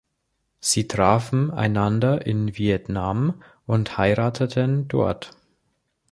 Sie trafen einander in Vietnam und heirateten dort.